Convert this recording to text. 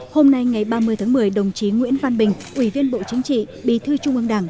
hôm nay ngày ba mươi tháng một mươi đồng chí nguyễn văn bình ủy viên bộ chính trị bí thư trung ương đảng